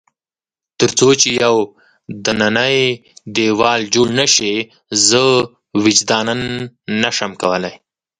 تر څو چې یو دننی دېوال جوړ نه شي، زه وجداناً نه شم کولای.